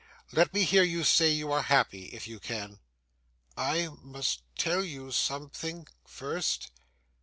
Let me hear you say you are happy, if you can.' 'I must tell you something, first.